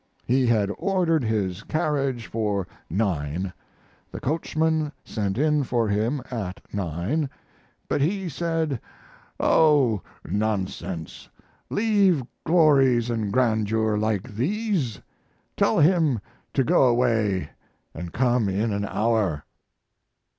He had ordered his carriage for 9. The coachman sent in for him at 9, but he said, "Oh, nonsense! leave glories & grandeurs like these? Tell him to go away & come in an hour!"